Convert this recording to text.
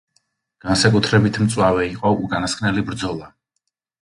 განსაკუთრებით მწვავე იყო უკანასკნელი ბრძოლა.